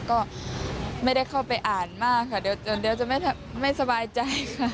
แต่ว่าก็ไม่ได้เข้าไปอ่านมากค่ะเดี๋ยวเดี๋ยวจะไม่ไม่สบายใจค่ะ